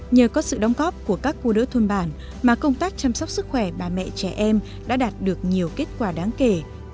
nhờ có sự đóng góp của các cô đỡ thôn bản mà công tác chăm sóc sức khỏe bà mẹ trẻ em đã đạt được nhiều kết quả đáng kể